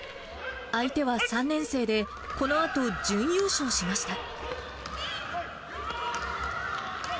相手は３年生で、このあと、準優勝しました。